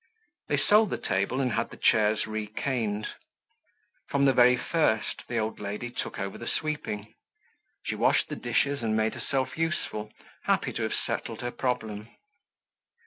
They sold the table and had the chairs recaned. From the very first the old lady took over the sweeping. She washed the dishes and made herself useful, happy to have settled her problem.